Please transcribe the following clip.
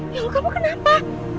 ya allah kamu kenapa